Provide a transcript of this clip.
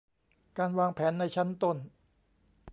การวางแผนในชั้นต้น